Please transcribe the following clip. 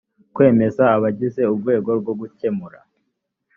kwemeza abagize urwego rwo gukemura